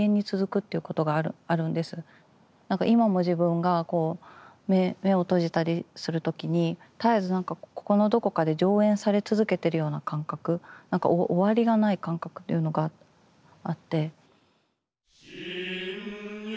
今も自分がこう目を閉じたりする時に絶えずなんかここのどこかで上演され続けてるような感覚なんか終わりがない感覚というのがあって。